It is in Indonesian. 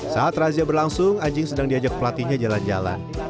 saat razia berlangsung anjing sedang diajak pelatihnya jalan jalan